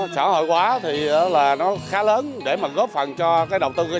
xã hội hóa thì khá lớn để góp phần cho đầu tư cơ sở